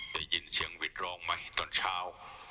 เจอยินเสียงวิรองไหมตอนเช้า